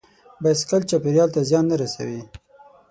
بایسکل چاپېریال ته زیان نه رسوي.